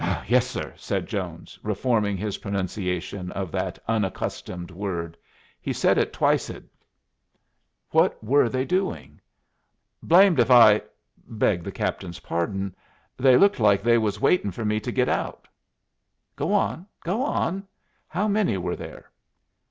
"Yes, sir," said Jones, reforming his pronunciation of that unaccustomed word. "He said it twiced." "What were they doing?" "Blamed if I beg the captain's pardon they looked like they was waitin' fer me to git out." "Go on go on. How many were there?"